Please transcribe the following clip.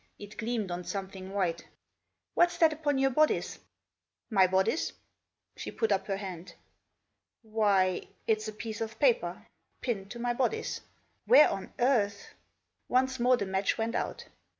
It gleamed on something white. " What's that upon your bodice ?" w My bodice ?" She put up her hand. " Why it's a piece of paper—— pinned to my bodice ! Where on earth !" Once more the match went out.